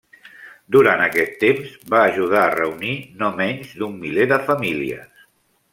Durant aquest temps va ajudar a reunir no menys d'un miler de famílies.